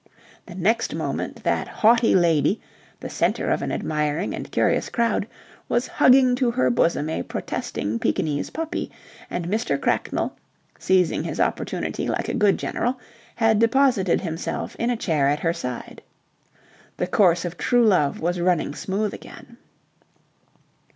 The next moment that haughty lady, the centre of an admiring and curious crowd, was hugging to her bosom a protesting Pekingese puppy, and Mr. Cracknell, seizing his opportunity like a good general, had deposited himself in a chair at her side. The course of true love was running smooth again.